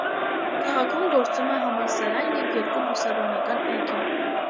Քաղաքում գործում է համալսարան և երկու բուսաբանական այգի։